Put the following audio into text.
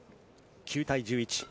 ９対１１。